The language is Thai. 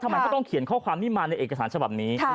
ทำไมเขาต้องเขียนข้อความนี้มาในเอกสารฉบับนี้